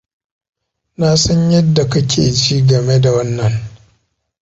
Nasan yadda kake ji game da wannan.